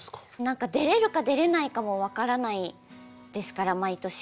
何か出られるか出られないかも分からないですから毎年。